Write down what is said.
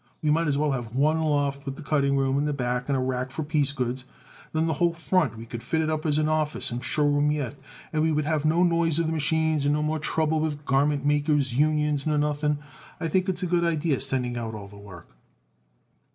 We might as well have one loft with the cutting room in the back and a rack for piece goods. Then the whole front we could fit it up as an office and show room yet, and we would have no noise of the machines and no more trouble with garment makers' unions nor nothing. I think it's a good idee sending out all the work."